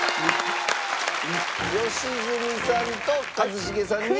良純さんと一茂さんに。